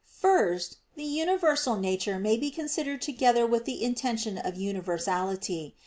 First, the universal nature may be considered together with the intention of universality.